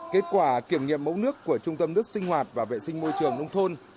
kết quả kiểm nghiệm mẫu nước của trung tâm nước sinh hoạt và vệ sinh môi trường nông thôn